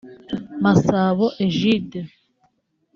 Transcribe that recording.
Masabo Egide